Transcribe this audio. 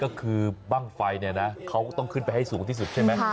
ก็คือบ้างไฟเขาต้องขึ้นไปให้สูงที่สุดใช่ไหม